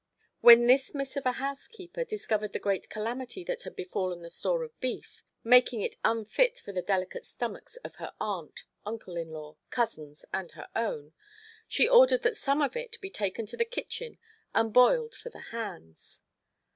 When this miss of a housekeeper discovered the great calamity that had befallen the store of beef—making it unfit for the delicate stomachs of her aunt, uncle in law, cousins, and her own—she ordered that some of it be taken to the kitchen and boiled for the hands.